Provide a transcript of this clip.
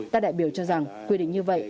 ta đại biểu cho rằng quy định như vậy